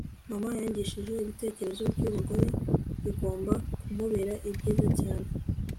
mama yanyigishije ibitekerezo by'umugore bigomba kumubera byiza cyane